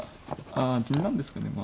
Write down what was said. あ銀なんですかね。